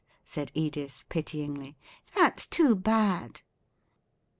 said Edith, pityingly; "that's too bad."